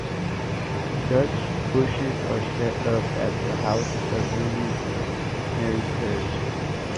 Such bushes are set up at the houses of newly married pairs.